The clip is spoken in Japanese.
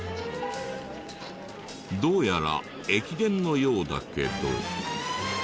どうやら駅伝のようだけど。